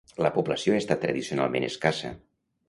La població ha estat tradicionalment escassa.